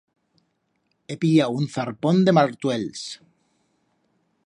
He pillau un zarpón de martuels.